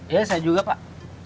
ya saya juga pak